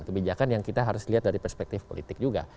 kebijakan yang kita harus lihat dari perspektif politik juga